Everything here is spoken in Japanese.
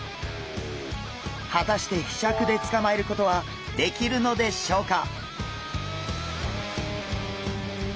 果たしてひしゃくでつかまえることはできるのでしょうか？